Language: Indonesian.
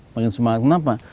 makin semangat kenapa